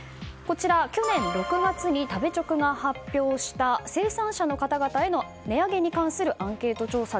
去年６月に食べチョクが発表した生産者の方々への値上げに関するアンケート調査。